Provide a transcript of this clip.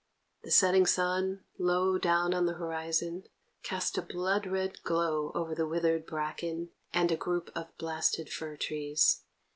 The setting sun, low down on the horizon, cast a blood red glow over the withered bracken and a group of blasted fir trees.